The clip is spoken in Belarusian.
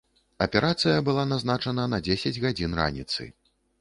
Аперацыя была назначана на дзесяць гадзін раніцы.